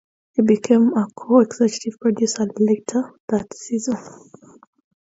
He became a co-executive producer later that season.